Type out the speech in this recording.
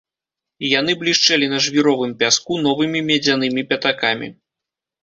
Яны блішчэлі на жвіровым пяску новымі медзянымі пятакамі.